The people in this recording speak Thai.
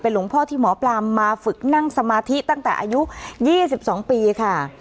หลวงพ่อที่หมอปลามาฝึกนั่งสมาธิตั้งแต่อายุ๒๒ปีค่ะ